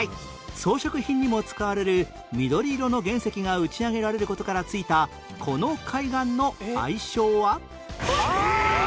装飾品にも使われる緑色の原石が打ち上げられる事からついたこの海岸の愛称は？